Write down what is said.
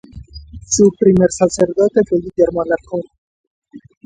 Su primer sacerdote fue Guillermo Alarcón.